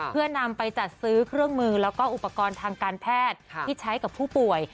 เพื่อนำไปจัดซื้อเครื่องมือแล้วก็อุปกรณ์ทางการแพทย์ที่ใช้กับผู้ป่วย